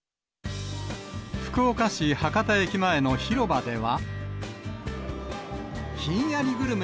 福岡市博多駅前の広場では。